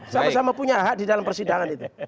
sama sama punya hak di dalam persidangan itu